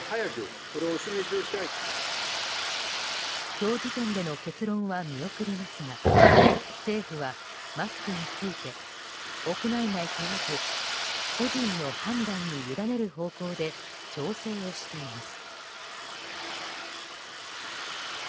今日時点での結論は見送りますが政府はマスクについて屋内外問わず個人の判断に委ねる方向で調整をしています。